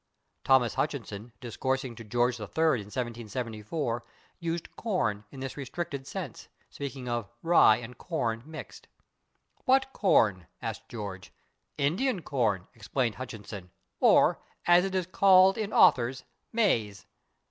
Thomas Hutchinson, discoursing to George III in 1774, used /corn/ in this restricted sense, speaking of "rye and /corn/ mixed." "What /corn/?" asked George. "/Indian corn/," explained Hutchinson, "or, as it is called in authors, /maize